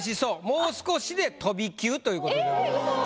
もう少しで飛び級！」という事でございます。